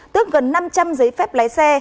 tức gần năm trăm linh giấy phép lái xe